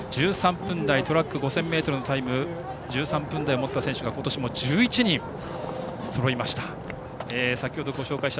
トラック５０００ｍのタイム１３分台を持った選手が今年も１１人そろいました。